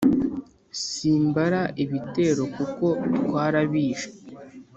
simbara ibitero kuko twarabishe